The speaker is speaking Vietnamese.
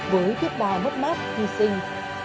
với tiết bà mất mát thi sinh